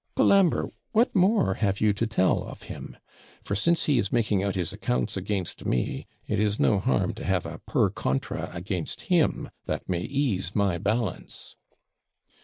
Colambre, what more have you to tell of him? for, since he is making out his accounts against me, it is no harm to have a PER CONTRA against him that may ease my balance.'